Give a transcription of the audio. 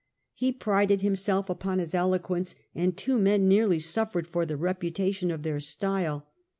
He prided himself upon his eloquence, and two men nearly suffered for the reputation of their style.